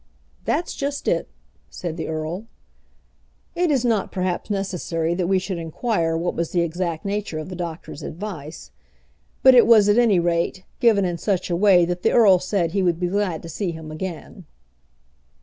"That's just it," said the earl. It is not perhaps necessary that we should inquire what was the exact nature of the doctor's advice; but it was, at any rate, given in such a way that the earl said he would be glad to see him again.